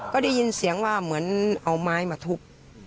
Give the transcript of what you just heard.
ก็ได้ยินเสียงว่าเหมือนเอาไม้มาทุบ